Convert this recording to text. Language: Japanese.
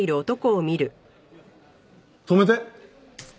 止めて！